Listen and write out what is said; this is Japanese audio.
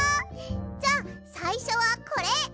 じゃさいしょはこれ！